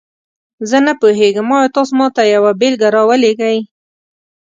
زه نه پوهیږم، آیا تاسو ماته یوه بیلګه راولیږئ؟